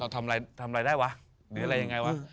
ทำอะไรได้วะหรืออะไรยังไงวะ